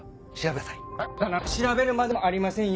そったらの調べるまでもありませんよ。